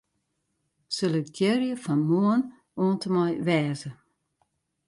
Selektearje fan 'Moarn' oant en mei 'wêze'.